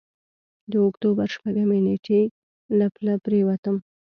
د اکتوبر شپږمې نېټې له پله پورېوتم.